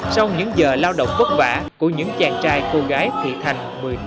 sau những giờ lao động vất vả của những chàng trai cô gái thị thành một mươi tám